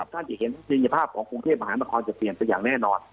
ถ้าจะเห็นวิทยาภาพของจังหวานและกอร์ศจะเปลี่ยนสักอย่างแน่นอน